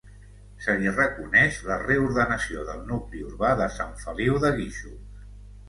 Se li reconeix la reordenació del nucli urbà de Sant Feliu de Guíxols.